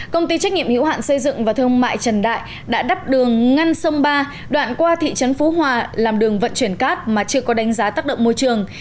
công ty trách nhiệm hữu hạn xây dựng và thương mại trần đại đã đắp đường ngăn sông ba đoạn qua thị trấn phú hòa làm đường vận chuyển cát mà chưa có đánh giá tác động môi trường